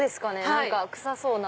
何か臭そうな。